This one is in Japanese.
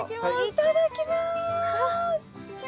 いただきます。